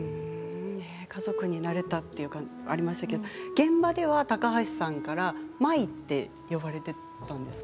家族になれたとありましたけど現場では高橋さんから舞と呼ばれていたんですか？